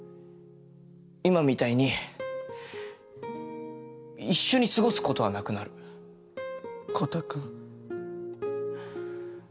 今みたいに一緒に過ごすことはなくなるコタくん